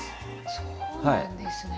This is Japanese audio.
そうなんですね。